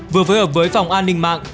vừa phối hợp với phòng an ninh mạng